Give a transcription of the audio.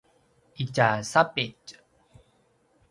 itja sapitj